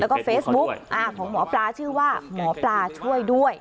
แล้วก็เฟซบุ๊กของหมอปลาชื่อว่าหมอปลาช่วยด้วย